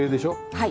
はい。